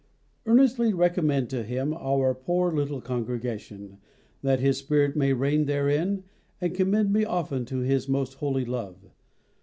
Earnestly recommend to Him our poor little Congregation, that His spirit may reign therein, and commend me often to His most holy love.